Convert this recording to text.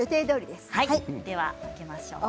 では、開けましょう。